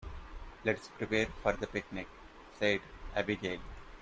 "Let's prepare for the picnic!", said Abigail.